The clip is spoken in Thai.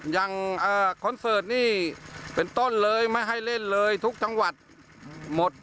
คอนเสิร์ตนี่เป็นต้นเลยไม่ให้เล่นเลยทุกจังหวัดหมด